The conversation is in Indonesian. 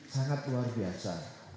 sangat luar biasa